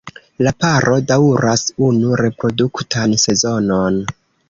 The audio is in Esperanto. La paro daŭras unu reproduktan sezonon.